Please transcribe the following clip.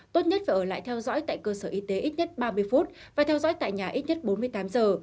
tốt nhất phải ở lại theo dõi tại cơ sở y tế ít nhất ba mươi phút và theo dõi tại nhà ít nhất bốn mươi tám giờ